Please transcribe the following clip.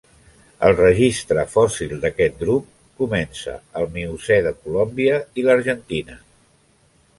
El registre fòssil d'aquest grup comença al Miocè de Colòmbia i l'Argentina.